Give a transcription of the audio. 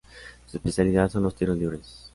Su especialidad son los tiros libres.